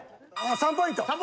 ３ポイント！